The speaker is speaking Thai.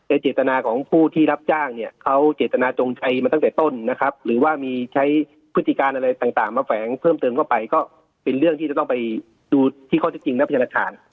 เจตนาของผู้ที่รับจ้างเนี่ยเขาเจตนาจงใจมาตั้งแต่ต้นนะครับหรือว่ามีใช้พฤติการอะไรต่างมาแฝงเพิ่มเติมเข้าไปก็เป็นเรื่องที่จะต้องไปดูที่ข้อที่จริงนะพยานฐาน